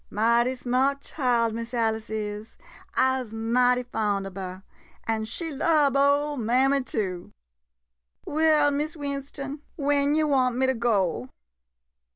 ~\ Mighty smart child, Miss Alice is — I 'se mighty fond ob her — an' she lub ole mammy too. Well, Miss Winston, when yo' want me to go?